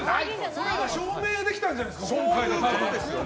それは証明できたんじゃないですか。